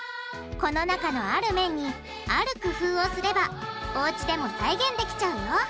この中のある麺にある工夫をすればおうちでも再現できちゃうよ。